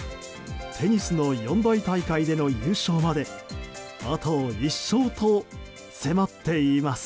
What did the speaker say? テニスの四大大会での優勝まであと１勝と迫っています。